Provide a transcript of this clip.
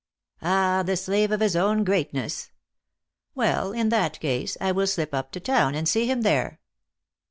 " Ah, the slave of his own greatness ! Well, in that case I will slip up to town and see him there."